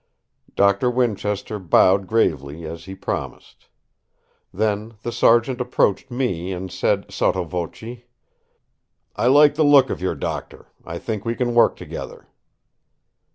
Doctor Winchester bowed gravely as he promised. Then the Sergeant approached me and said sotto voce: "I like the look of your doctor. I think we can work together!"